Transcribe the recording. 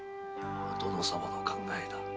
お殿様の考えだ。